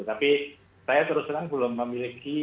tapi saya terus terang belum memiliki